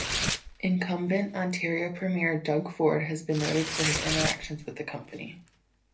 Incumbent Ontario premier Doug Ford has been noted for his interactions with the company.